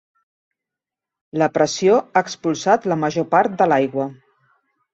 La pressió ha expulsat la major part de l'aigua.